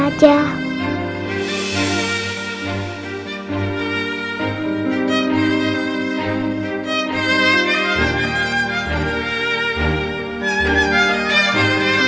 rasanya akan keras lagi kali ya